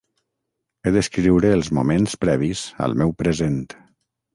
He d'escriure els moments previs al meu present.